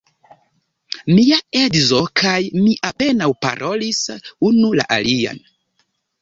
Mia edzo kaj mi apenaŭ parolis unu la alian.